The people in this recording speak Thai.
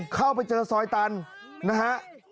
เข้าไปเจอซอยตันนะฮะ